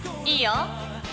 いいよ。